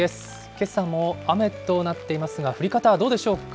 けさも雨となっていますが、降り方はどうでしょうか。